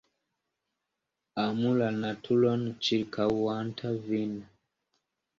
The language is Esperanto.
Amu la naturon ĉirkaŭanta vin.